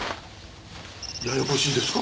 ややこしいですか？